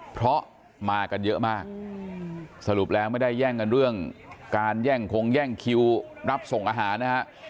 เพราะมากันเยอะมากสรุปแล้วไม่ได้แย่งกันเรื่องการแย่งคงแย่งคิวรับส่งอาหารนะฮะ